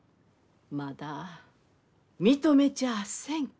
まだ認めちゃあせんき。